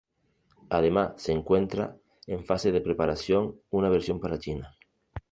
Además se encuentra en fase de preparación una versión para China.